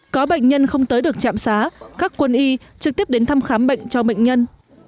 có bệnh nhân không tới được trạm xá các quân y trực tiếp đến thăm khám bệnh cho bệnh nhân